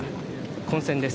混戦です。